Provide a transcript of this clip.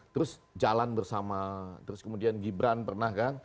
terus jalan bersama terus kemudian gibran pernah kan